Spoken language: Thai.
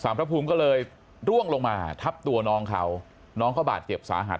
พระภูมิก็เลยร่วงลงมาทับตัวน้องเขาน้องเขาบาดเจ็บสาหัส